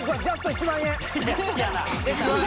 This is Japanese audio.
１万円